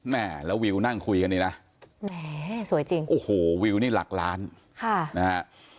แม่แล้ววิวนั่งคุยกันนี่นะแหมสวยจริงโอ้โหวิวนี่หลักล้านค่ะนะฮะ